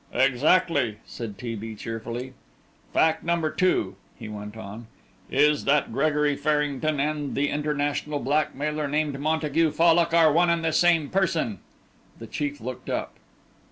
"Exactly," said T. B. cheerfully. "Fact number two," he went on, "is that Gregory Farrington and the international blackmailer named Montague Fallock are one and the same person." The chief looked up.